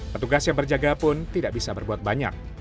petugas yang berjaga pun tidak bisa berbuat banyak